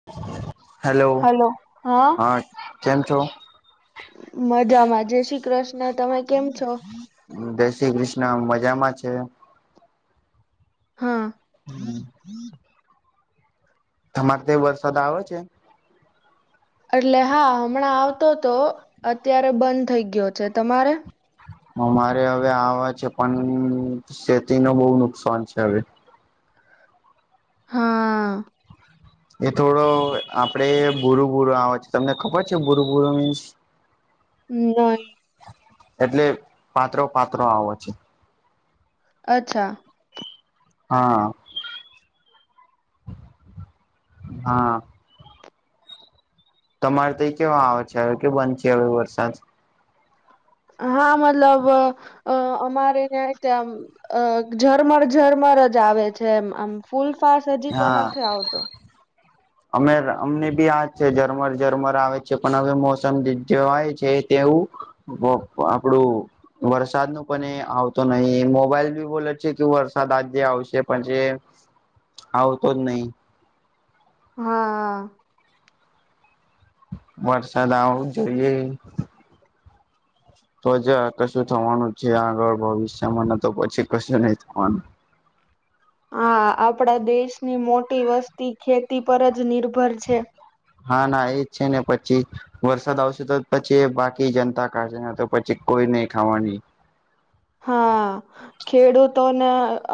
[inaudible] Hello hello હા કેમ છો મજામાં જય શ્રી કૃષ્ણ તમે કેમ છો જય શ્રી કૃષ્ણ મજામાં છે હા તમારે ત્યા વરસાદ આવે છે એટલે હા હમણાં આવતો તો અત્યારે બંધ થઈ ગયો છે તમારે અમારે હવે આવે છે પણ ખેતી ન બહ નુકસાન છે હવે હા એ થોડો આપડે બૂરુ બૂર આવે છે તમને ખબર છે બુરુ બુર મીન્સ [inaudible] હમ એટલે પાત્રો પાત્રો આવો છે અચ્છા હા હા તમારે તો કેવા આવે છે હવે કે બંધ છે હવે વરસાદ હા મતલબ અ અમારે ત્યાં ત્યાં અ ઝરમર ઝરમર જ આવે છે એમ આમ ફૂલફશ હજી તો હા નથી આવતો અમે અમને બી જ છે ઝરમર ઝરમર આવે છે પણ હવે મોસમ જોવાય છે તેવું આપડું વરસાદ ન પણ એ આવતો નહીિ મોબાઈલ બી બોલે છે કે વરસાદ આજે આવશે પણ જે આવ તો જ નહીિ હા હા વરસાદ આવો જોઈએ તો જ આ કશું થવાનું છે આગળ ભવિષ્યમાં ન તો પછી કશું નહી થવાનું હા આપડા દેશની મોટી વસ્તી ખેતી પર જ નિર્ભર છે. હા ના એજ છે ને પછી વરસાદ આવશે તો પછી એ બાકી જનતા કાશે ને તો પછી કોઈ નહી ખાવાની હા ખેડૂતોને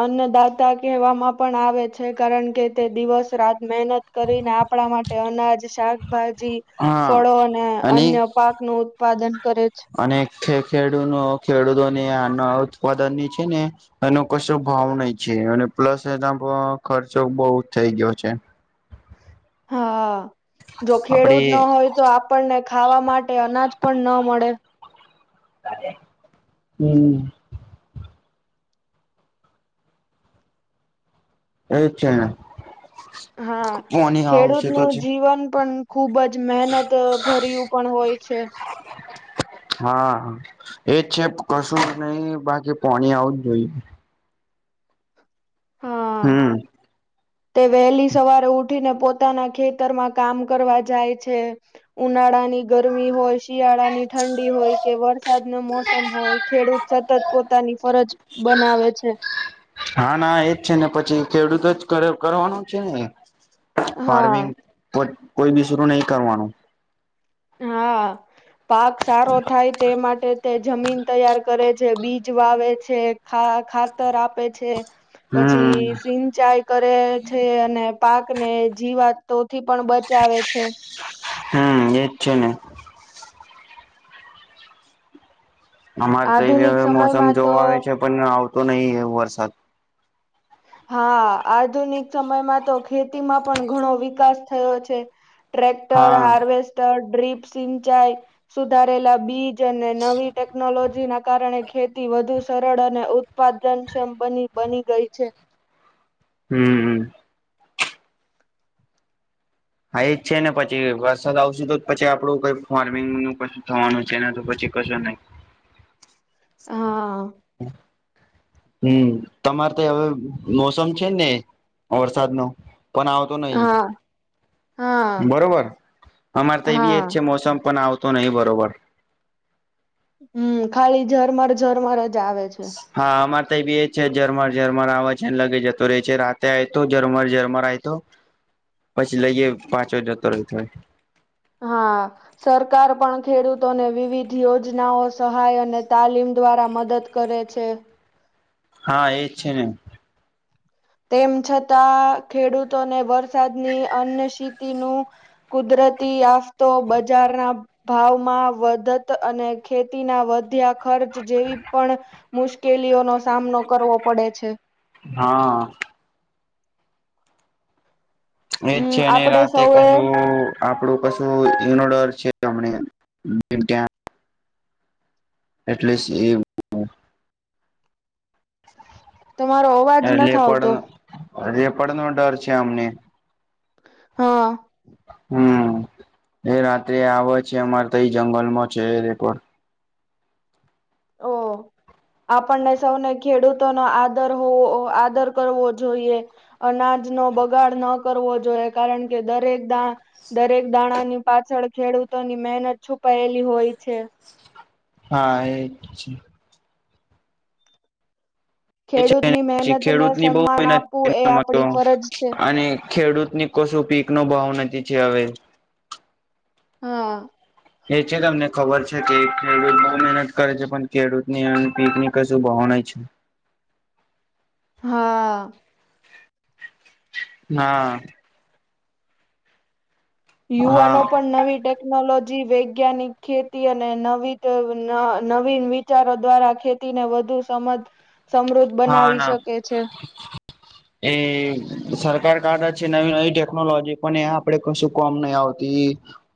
અન્નદાતા કહેવામાં પણ આવે છે કારણ કે તે દિવસ રાત મહેનત કરીને આપણા માટે અનાજ, શાકભાજી હા ફળો અને અન્ય પાક નું ઉત્પાદન કરે છે. અને ખેડૂનો ખેડૂતોને આના ઉત્પાદન ની છે ને એનો કશો ભાવ નહિ છે અને પ્લસ એના ખર્ચો બહુ થઈ ગયો છે. [inaudible] હા જો આપડે ખેડુત ન હોય તો આપણને ખાવા માટે અનાજ પણ ન મળે. હમ્મ. એ છે. હા પોની ખેડૂત આવશે તો નું છે જીવન પણ ખુબ જ મહેનત ભર્યું પણ હોય છે. હા, એજ છે કશું જ નહી બાકી પોણી આવું જ જોઈએ. હા. હમ્મ. તે વહેલી સવારે ઉઠીને પોતાના ખેતરમાં કામ કરવા જાય છે. ઉનાળાની ગરમી હોય, શિયાળાની ઠંડી હોય કે વરસાદ ન મોસમ હોય ખેડૂત સતત પોતાની ફરજ બનાવે છે. હા ના એજ છે ને પછી ખેડૂતો જ કરે કરવાનું છે ને. ફાર્મિંગ હા, કોઈ બીસરું નહી કરવાનું. હા પાક સારો થાય તે માટે તે જમીન તૈયાર કરે છે, બીજ વાવે છે, ખા ખાતર આપે છે. પછી હમ સિગ ચાઈ કરે છે અને પાક ને જીવાતો થી પણ બચાવે છે. હમ્મ, એ જ છે ને. અમારે તો એ હ આધુનિક મોસમ સમયમાં તો જોવા આવે છે પણ આવતો નહી વરસાદ. હા આધુનિક સમયમાં તો ખેતીમાં પણ ઘણો વિકાસ થયો છે. ટ્ર્રેક્ટર, હા હાર્વેસ્ટર, ડ્ર્રીપ સિંચાઈ સુધારેલા બીજ અને નવી ટેકનોલોજી ના કારણે ખેતી વધુ સરળ અને ઉત્પાદનક્ષમ બની બની ગઈ છે. હમ્મ. હા એ જ છે ને પછી વરસાદ આવશે તો પછી આપડું કઈ ફાર્મિંગ નું કશું થવાનું છે ને તો પછી કશું નહી. હા. હમ્મ. હમ્મ, તમારે તો હવે મોસમ છે ને વરસાદનો પણ આવ તો નઈ. હા હા બરોબર અમારે તો એવી હા એજ છે મોસમ પણ આવ તો નહિ બરોબર. હમ્મ, ખાલી ઝરમર ઝરમર જ આવે છે. [inaudible] હા અમારે તો બી એ જ છે ઝરમર ઝરમર આવે છેને લગી જતો રહે છે રાતે આય તો ઝરમર ઝરમર આ તો પછી લઈએ પાંચ વા જતો રે એટલે. હા. સરકાર પણ ખેડૂતોને વિવિધ યોજનાઓ, સહાય અને તાલીમ દ્વારા મદદ કરે છે. હા એજ છે ને. તેમ છતાં ખેડૂતોને વરસાદની અન્ય સીતિનું કુદરતી આફત, બજારના ભાવમાં વધત અને ખેતીના વધ્યા ખર્ચ ચ જેવી પણ મુશ્કેલીઓ નો સામનો કરવો પડે છે. હા. એજ હમ છે અને આપડે રાતે સૌએ કશું આપડું કશું ઇનોડર છે હમને જેમ ત્યાં એટલીસ એ તમારો અવાજ નથી આવતો લેપડનો લેપડનો ડર છે, અમને હા. હમ એ રાત્રે આવે છે, અમારે તો એ જંગલમાં છે, રેપડ ઓ. આપણને સૌને ખેડૂતોનો આદર હોવો આદર કરવો જોઈએ અનાજનો બગાડ ન કરવો જોઈએ કારણ કે દરેક દા દરેક દાણાની પાછળ ખેડૂતોની મહેનત છુપાયેલી હોય છે. હા એ જ પછી ખેડૂતની એને મહેનતને ખેડૂતની બો સન્માન મહેનત આપવું એ [unintelligible] હતો આપડી ફરજ છે. અને ખેડૂતની કશું પીકનો ભાવ નથી છે, હવે હા. એ છે તમને ખબર છે કે ખેડૂત બો મહેનત કરે છે, પણ ખેડૂતની પીક ની કશું ભાવ નહિ છે. હા. હા. યુવાનો હા પણ નવી ટેક કનોલોજી વૈજ્ઞાનિક ખેતી અને નવી ન નવી વિચારો દ્વારા ખેતીને વધુ સમજ સમૃદ્ધ હા બનાવી ના શકે છે. [inaudible] એ સરકાર કાદા છે, નવી નવી ટેકનોલોજી પણ એ આપડે કશું કોમ નહી આવતી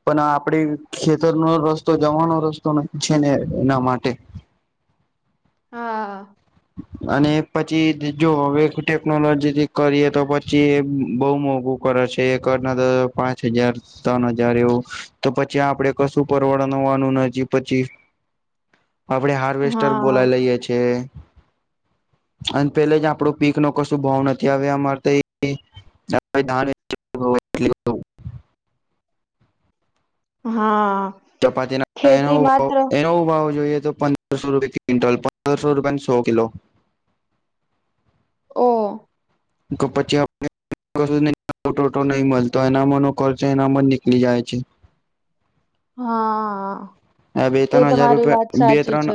પન આપડે ખેતરનો રસ્તો જવાનો રસ્તો છે, ને એના માટે હા. અને પછી જો હવે ટેકનોલોજીથી કરીએ તો પછી એ બોવ મોઘું કરે છે એક ના પાંચ હજાર ત્રન હજાર એવું તો પછી આપડે કશું પરવડ નવાનું નજી પછી આપડે હાર્વેસ્ટર હા બોલાય લઈએ છે. અને પેલે જ આપડો પીક નો કશું ભાવ નથી આવે અમારે તો [unintelligible] હા. ચપાતી ના એનો ખેતી માત્ર એનો ભાવ જોઈએ તો પં દરસો રૂપિયા કિન્ટલ પંદરસો રૂપિયાનો સો કિલો ઓ. કે પછી આપણે [unintelligible] ટોટો નહી મળતો એનામાં નો ખર્ચ એનામાં જ નીકળી જાય છે. હા. આ બે એ ત્રણ હજાર તમારી રૂપિયા વાત બે સાચી ત્રણ છે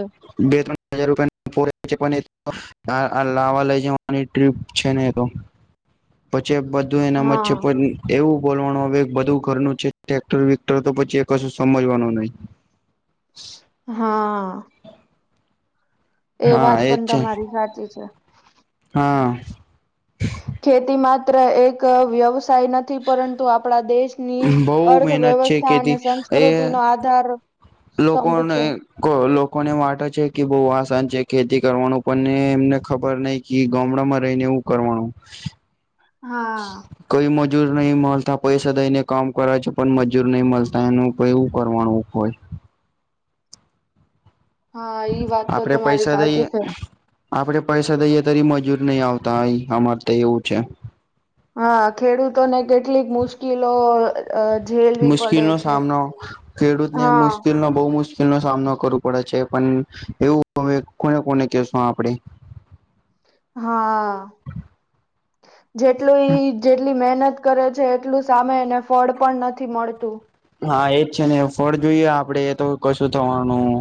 બે ત્રણ હજાર રૂપિયાનો [unintelligible] હ આ લાવા લઈ જવાની ટ્રીપ છે ને તો પછી તો એનામ જ છે હા પણ એવું બોલવાનું હવે બધું ઘરનું છે ટ્રેક્ટર વિક્ટર તો પછી કશું સમજવાનું નહી [inaudible] હા. એ હા વાત એજ પણ છે તમારી સાચી છે. હા. ખેતી માત્ર એક વ્યવસાય નથી પરંતુ આપણા દેશ ની બહુ મહેનત છે અર્થવ્યવસ્થા અને કેથી સંસ્કૃતિ એ નો આધાર સ્તંભ છે. લોકોને લોકોને વાટ છે કે બોવ આસાન છે, ખેતી કરવાનું પણ એમને ખબર નય કે ગામડામાં રહીને એવું કરવાનું હા. કઈ મજૂર નહી મલતા પૈસા દઈને કામ કરે છે, પણ મજૂર નહી મલતા એનું તો એવું કરવાનું હોય હા ઈ વાત તો આપડે તમારી પૈસા સાચી દઈએ છે આપડે પૈસા દઈએ તારી મજૂર નહી આવતા અમારે ત્યાં એવું છે હા ખેડૂતોને કેટલીક મુશ્કેલો અ જે મુશ્કેલનો સામનો ખેડૂતને હા મુશ્કેલનો બહુ મુશ મુલ નો સામનો કરવો પડે છે પણ એવું કોને કોને કેશુ આપણે હા [inaudible] જેટલું જેટલી મહેનત કરે છે એટલું સામે એને ફળ પણ નથી મળતું હા એજ છે ને ફળ જોઈએ આપડે તો કશું થવાનું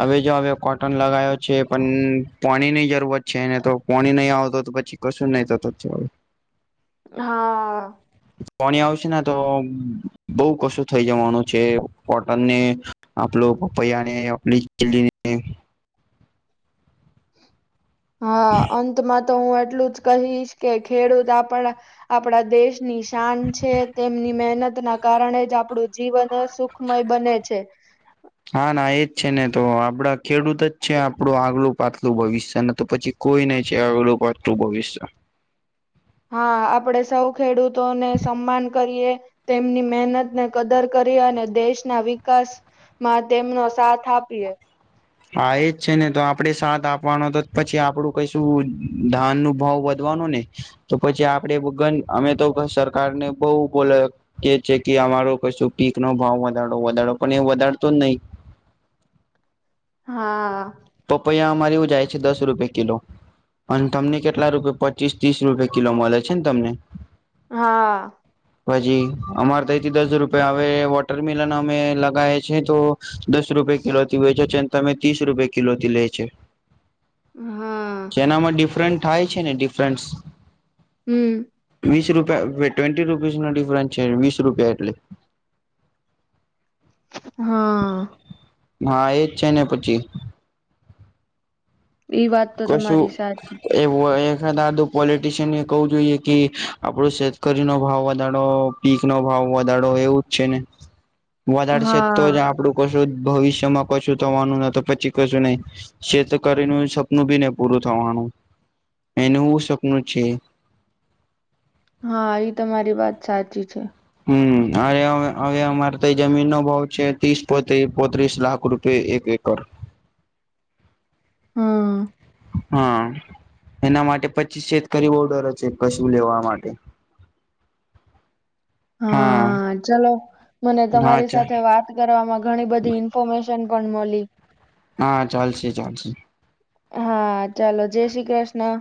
હવે જો હવે કોટન લગાવયો છે પણ પાણીની જરૂરત છે ને તો પોણી નહીં આવતો પછી કશું નહી થતો હા પાણી આવશે ને તો બઉ કશું થઈ જવાનું છે કોટનને આપલો પપૈયા ને આપડીને હા અંતમાં તો હું એટલું જ કહીશ કે ખેડૂત આપણા આપણા દેશની શાન છે તેમની મહેનત ના કારણે જ આપણું જીવન સુખ ખમય બને છે હા ના એજ છે ને તો આપડા ખેડૂત જ છે આપડું આગલું પાછલું ભવિષ્ય તો પછી કોઈ નહી છે આગળું પાત્રું ભવિષ્ય હા આપડે સૌ ખેડૂતોને સન્માન કરીએ તેમની મહેનત ને કદર કરી અને દેશના વિકાસ માં તેમનો સાથ આપીએે હા એ જ છે ને તો આપડે સાથ આપવાનો તો પછી આપડું કઈશું ધાન નું ભાવ વધ [unintelligible] તો પછી આપડે અમે તો સરકાર ને બહું બોલે કે છે કે અમારો કશું પીક નો ભાવ વધારો વધારો પણ એ વધારતો જ નહી હા પપૈયા અમારી ઉ જાય છે દસ રૂપિયે કિલો અને તમને કેટલા રૂપે પચીસ ત્રીસ રૂપિયા કિલો મળે છે ને તમને હા પછી અમારે તઈથી દસ રૂપિયા આવે વોટર મેલન અમે લગયા છે તો દસ રૂપે કિલોથી વેચછે અને તમે ત્રીસ રૂપિયા કિલોથી લે છે હા જેનામાં ડિફરન્ટ થાય છે ને ડિફરન્સ હમ વીસ રૂપિયા ટ્વેન્ટી રૂપીસ નો ડિફરન્સ છે વીસ રૂપિયા એટલે હા હા એજ છે ને પછી એ વાત તો કશું તમારી સાચી છે. એમ [unintelligible] આદું પોલિટીશિયન એ કવું જોઈએ કે આપડો શતકરી નો ભાવ વધારો પીક નો ભાવ વધારો એવું જ છે ને વધારે છે હા, તો જ આપડું કશું ભવિષ્યમાં કશું થવાનું ના તો પછી કશું નહી શેતકરી ન બીને પૂરું થવાનું એનું સપનું છે હા એ તમારી વાત સાચી છે હમ અરે હવે અમારે તો જમીન નો ભાવ છે ત્રીસ પો પોત્રીસ લાખ રૂપ એક એકર હમ હા એના માટે પચીસ છેજ કર ઓર્ડર છે કશું લેવા માટે હા ચલો મને હા તમારી ચાલ સાથે વાત કરવામાં ઘણી બધી ઇન્ફોર્મેશન પણ મળી હા ચાલશે ચાલશે હા ચાલો જય શ્રી કૃષ્ણ